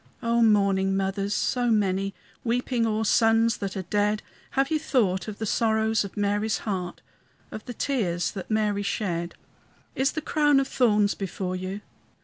O mourning mothers, so many, Weeping o'er sons that are dead, Have ye thought of the sorrows of Mary's heart, Of the tears that Mary shed? Is the crown of thorns before you?